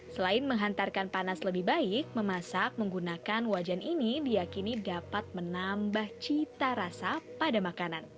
selain menghantarkan panas lebih baik memasak menggunakan wajan ini diakini dapat menambah cita rasa pada makanan